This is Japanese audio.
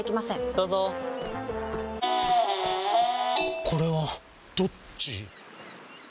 どうぞこれはどっち？